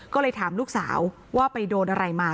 ก็เลยถามลูกสาวว่าไปโดนอะไรมา